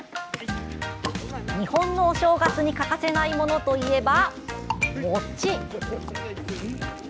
日本のお正月に欠かせないものといえば、餅！